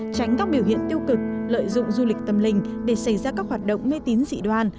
tránh các biểu hiện tiêu cực lợi dụng du lịch tâm linh để xảy ra các hoạt động mê tín dị đoan